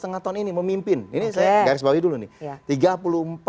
setengah tahun ini memimpin ini saya garis bawah dulu nih